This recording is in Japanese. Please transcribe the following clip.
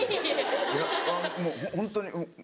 いやもうホントに。